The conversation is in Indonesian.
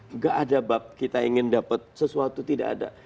enggak ada bab kita ingin dapat sesuatu tidak ada